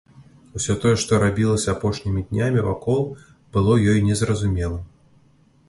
Усё тое, што рабілася апошнімі днямі вакол, было ёй незразумелым.